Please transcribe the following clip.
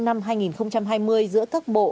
năm hai nghìn hai mươi giữa các bộ